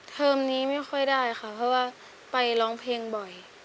เทอมนี้ไม่ค่อยได้ค่ะเพราะว่าไปร้องเพลงบ่อย